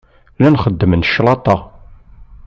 Llan xeddmen claṭa.